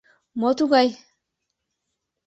Мо тугай?!